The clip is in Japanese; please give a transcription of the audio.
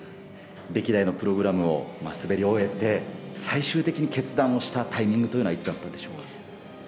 歴代のプログラムを滑り終えて最終的に決断をしたタイミングというのはいつだったんでしょう。